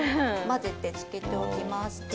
混ぜて漬けておきます。